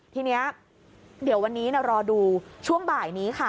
ทีนี้เดี๋ยววันนี้รอดูช่วงบ่ายนี้ค่ะ